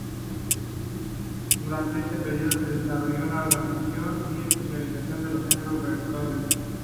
Durante ese periodo se desarrolló una organización y especialización en los centros rectores.